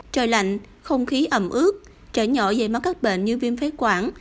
trời lạnh không khí ẩm ướt trẻ nhỏ dễ mắc các bệnh như viêm phế quản